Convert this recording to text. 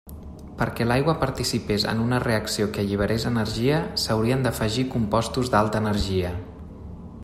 Perquè l'aigua participés en una reacció que alliberés energia, s'haurien d'afegir compostos d'alta energia.